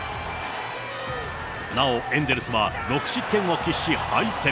なおエンゼルスは６失点を喫し、敗戦。